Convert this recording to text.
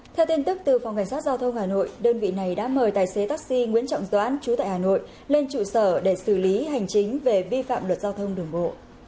theo tin tức từ phòng cảnh sát giao thông hà nội đơn vị này đã mời tài xế taxi nguyễn trọng doãn chú tại hà nội lên trụ sở để xử lý hành chính về vi phạm luật giao thông đường bộ